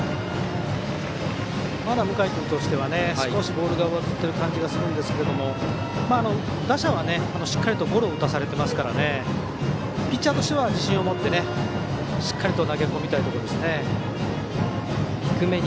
まだ向井君としては少しボールが上ずっていますが打者はしっかりとゴロを打たされていますからピッチャーとしては自信を持ってしっかり投げ込みたいですね。